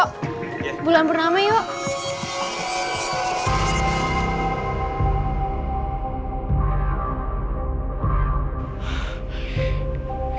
yuk bulan pertama yuk